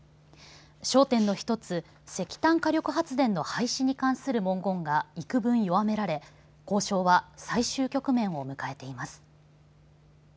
焦点の１つ石炭火力発電の廃止に関する文言がいくぶん弱められ交渉は最終局面を迎えています。